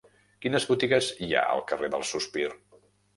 Quines botigues hi ha al carrer del Sospir?